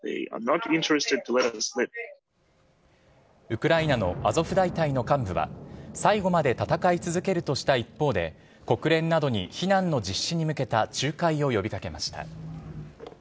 ウクライナのアゾフ大隊の幹部は、最後まで戦い続けるとした一方で、国連などに避難の実施に向けた仲介を呼びかけました。